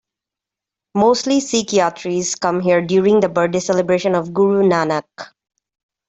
Mostly Sikh Yatris come here during the birthday celebration of Guru Nanak.